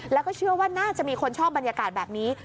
แล้วก็เชื่อว่าน่าจะมีคนชอบบรรยากาศแบบนี้